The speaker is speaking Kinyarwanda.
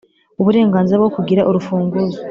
uburenganzira bwo kugira urufunguzo